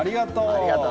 ありがとう。